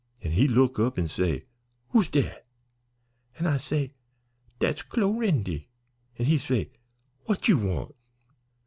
An' he look up an' say, 'Who's dat?' An' I say, 'Dat's Clorindy.' An' he say, 'What you want?'